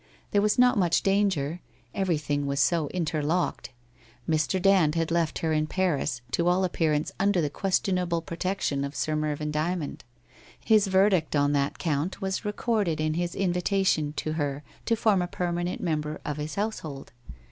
There was not much danger; everything was so inter locked. Mr. Dand had left her in Paris, to all appear ance under the questionable protection of Sir Mervyn Dymond; his verdict on that count was recorded in his invitation to her to form a permanent member of his household.